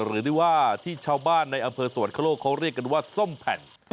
หรือได้ว่าที่ชาวบ้านในอำเภอสวรรคโลกเขาเรียกกันว่าส้มแผ่น